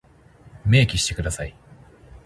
明記してください。